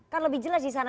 kan lebih jelas di sana